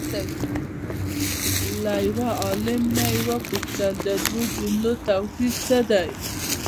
له یو عالمه یې وپوښتل د دوو جملو توپیر څه دی؟